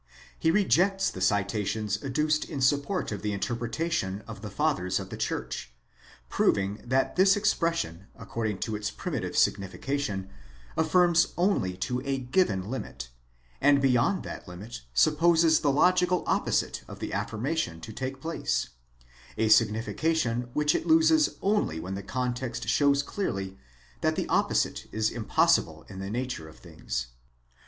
He rejects the citations adduced in support of the interpretation of the Fathers of the Church, proving that this expression according to its primitive signification affirms only to a given limit, and beyond that limit sup poses the logical opposite of the affirmation to take place; a signification which it loses only when the context shows clearly that the opposite is impos sible in the nature of things.'